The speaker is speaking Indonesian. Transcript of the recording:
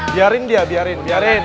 biarin dia biarin